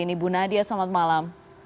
ibu nadia selamat malam